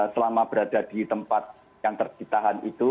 selama berada di tempat yang tercitahan itu